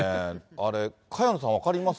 あれ、萱野さん、分かります？